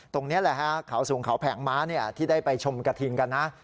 ตรงนี้แหละฮะเขาสูงเขาแผงม้าที่ได้ไปชมกระทิงกันนะ